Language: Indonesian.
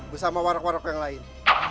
bersama waruk waruk yang lain